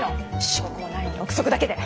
証拠もないのに臆測だけで。